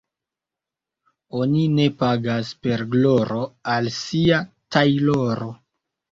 Oni ne pagas per gloro al sia tajloro.